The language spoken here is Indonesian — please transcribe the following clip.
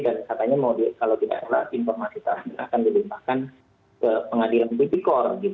dan katanya kalau tidak informasi terakhir akan dilimpahkan ke pengadilan ppk